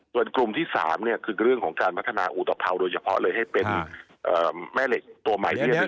ส่วนกลุ่มที่๓คือเรื่องของการพัฒนาอุตภัวโดยเฉพาะเลยให้เป็นแม่เหล็กตัวใหม่ที่สุด